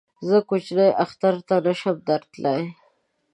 زه کوچني اختر ته نه شم در تللی